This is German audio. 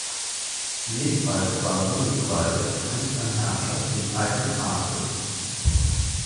Jedenfalls war Sumiswald einst eine Herrschaft mit eigenem Adel.